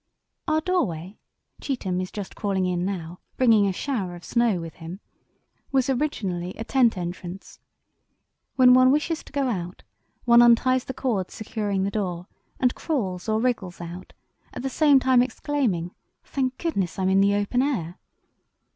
"Our doorway—Cheetham is just crawling in now, bringing a shower of snow with him—was originally a tent entrance. When one wishes to go out, one unties the cord securing the door, and crawls or wriggles out, at the same time exclaiming 'Thank goodness I'm in the open air!